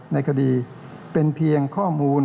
ในคดีเป็นเพียงข้อมูล